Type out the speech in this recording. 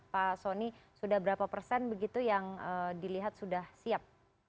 pak soni sudah berapa persen begitu yang dilihat sudah siap